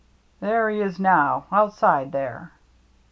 " There he is now, outside there."